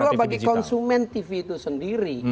yang kedua bagi konsumen tv itu sendiri